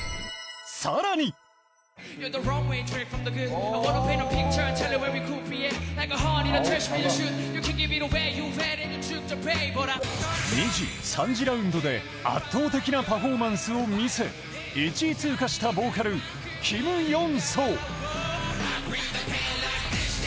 更に２次、３次ラウンドで圧倒的なパフォーマンスを見せ１位通過したボーカルキム・ヨンソ。